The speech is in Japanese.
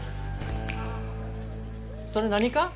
それ何か？